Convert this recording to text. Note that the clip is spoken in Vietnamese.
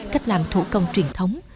cách làm thủ công truyền thống